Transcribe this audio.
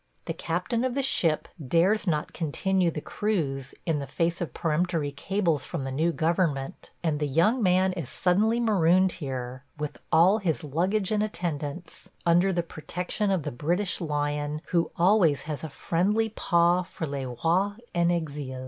The captain of the ship dares not continue the cruise in the face of peremptory cables from the new government, and the young man is suddenly marooned here, with all his luggage and attendants, under the protection of the British lion, who has always a friendly paw for les rois en exil.